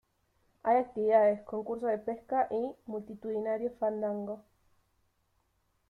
Hay actividades, concursos de pesca y multitudinario fandango.